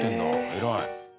偉い。